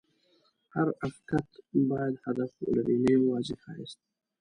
هر افکت باید هدف ولري، نه یوازې ښایست.